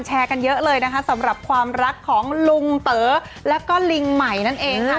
กันเยอะเลยนะคะสำหรับความรักของลุงเต๋อแล้วก็ลิงใหม่นั่นเองค่ะ